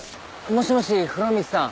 もしもし風呂光さん。